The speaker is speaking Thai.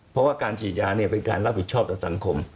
เพราะว่าการฉีดยาเนี่ยเป็นการรับผิดชอบต่อสังคม